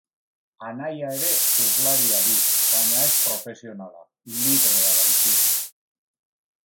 Anaia ere surflaria du, baina ez profesionala, librea baizik.